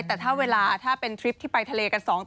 แต่ถ้าเวลาถ้าเป็นทริปที่ไปทะเลกัน๒ต่อ